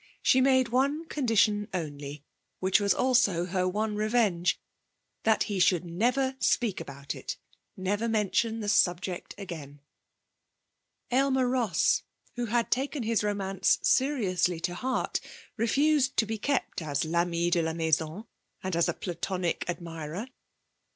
She made one condition only (which was also her one revenge), that he should never speak about it, never mention the subject again. Aylmer Ross, who had taken his romance seriously to heart, refused to be kept as l'ami de la maison, and as a platonic admirer.